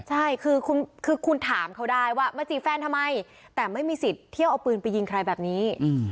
ใช่คือคุณถามเขาได้ว่ามาจีบแฟนทำไมแต่ไม่มีสิทธิ์เที่ยวเอาปืนไปยิงใครแบบนี้